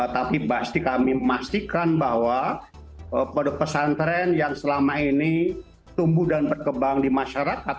tapi pasti kami memastikan bahwa pesantren yang selama ini tumbuh dan berkembang di masyarakat